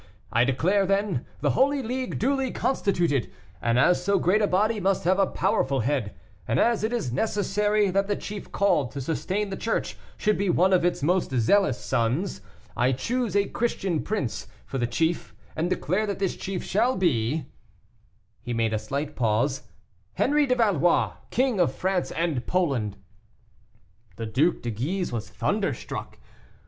I declare, then, the Holy League duly constituted, and as so great a body must have a powerful head, and as it is necessary that the chief called to sustain the Church should be one of its most zealous sons, I choose a Christian prince for the chief, and declare that this chief shall be" he made a slight pause "Henri de Valois, King of France and Poland." The Duc de Guise was thunderstruck.